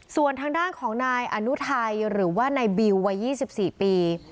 ส่วนทางด้านของนายอนุทัยหรือว่านายบิววัย๒๔ปี